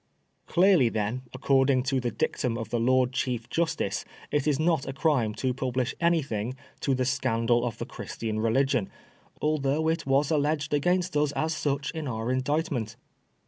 Clearly then, according to the dictum of the Lord Chief Justice, it is not a crime to publish anything ^* to the scandal of the Christian Religion," although it was alleged against us as such in our Indictment.